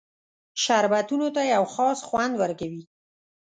شربتونو ته یو خاص خوند ورکوي.